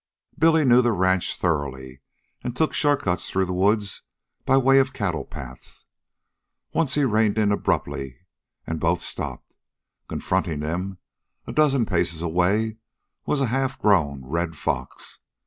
Billy knew the ranch thoroughly, and took short cuts through the woods by way of cattle paths. Once, he reined in abruptly, and both stopped. Confronting them, a dozen paces away, was a half grown red fox.